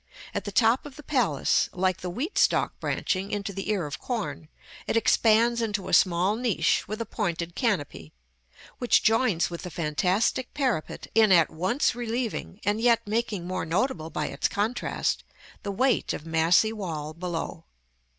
At the top of the palace, like the wheat stalk branching into the ear of corn, it expands into a small niche with a pointed canopy, which joins with the fantastic parapet in at once relieving, and yet making more notable by its contrast, the weight of massy wall below.